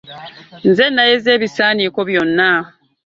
Nze nayeze ebisaaniko byonna.